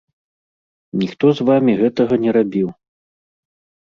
Ніхто з вамі гэтага не рабіў.